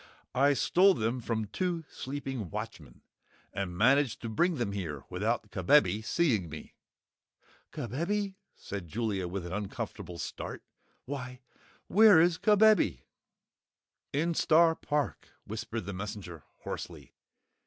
"I stole them from two sleeping watchmen, and managed to bring them here without Kabebe seeing me." "KABEBE?" said Jellia, with an uncomfortable start. "Why, where is Kabebe?" "In Star Park," whispered the Messenger, hoarsely.